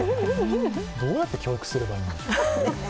どうやって教育すればいいんでしょうねえ。